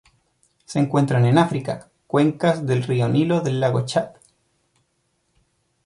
Se encuentran en África: cuencas del río Nilo del lago Chad.